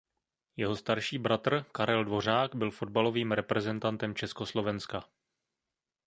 Jeho starší bratr Karel Dvořák byl fotbalovým reprezentantem Československa.